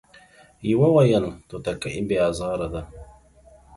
يوه ويل توتکۍ بې ازاره ده ،